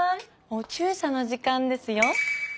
お注射の時間ですよ